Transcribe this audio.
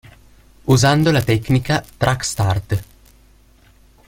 Usando la tecnica "track start".